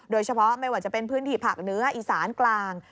โดยเฉพาะไม่ว่าจะเป็นพื้นที่ภาคเหนืออีสานกลาง